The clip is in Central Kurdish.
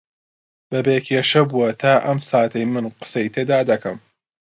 بەبێ کێشە بووە تا ئەم ساتەی من قسەی تێدا دەکەم